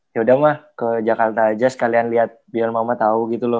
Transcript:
yaudah mah ke jakarta aja sekalian liat biar mama tau gitu loh